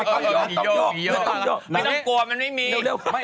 ก็จะอย่างงี้ก่อน